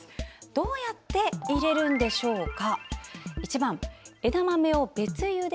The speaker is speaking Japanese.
どうやって入れるのでしょうか？